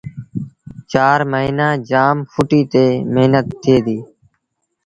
چآر موهيݩآݩ جآم ڦٽي تي جآم مهنت ٿئي ديٚ